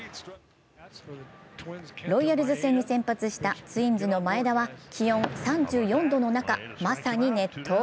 ロイヤルズ戦に先発したツインズの前田は、気温３４度の中、まさに熱投。